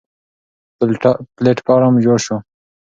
پلېټفارم جوړ شو.